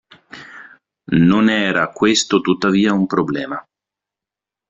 Non era questo tuttavia un problema.